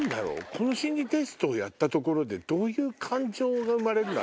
この心理テストをやったところでどういう感情が生まれるの？